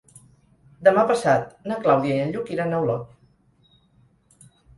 Demà passat na Clàudia i en Lluc iran a Olot.